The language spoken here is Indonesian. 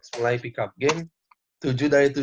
awalnya kita pick up game mal kasih